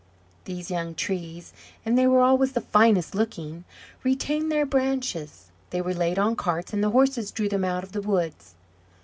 These young trees, and they were always the finest looking, retained their branches; they were laid on carts, and the horses drew them out of the woods.